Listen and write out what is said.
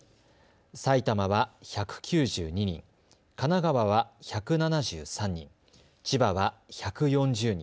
埼玉は１９２人、神奈川は１７３人、千葉は１４０人。